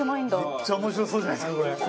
めっちゃ面白そうじゃないですか。